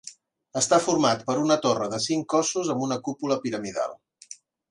Està format per una torre de cinc cossos amb una cúpula piramidal.